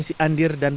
di dalam sungai citarum